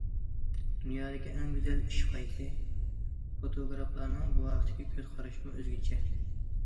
دۇنيادىكى ئەڭ گۈزەل ئىشنىڭ قايسى؟ فوتوگرافلارنىڭ بۇ ھەقتىكى كۆز قارىشىمۇ ئۆزگىچە.